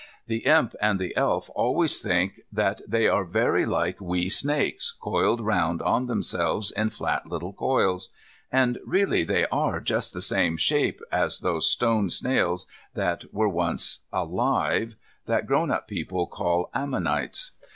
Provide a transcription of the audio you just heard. The Imp and the Elf always think that they are like very wee snakes, coiled round on themselves in little flat coils. And really they are just the same shape as those stone snails that were once alive, that grown up people call ammonites.